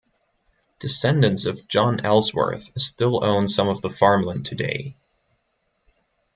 Descendants of John Ellsworth still own some of the farmland today.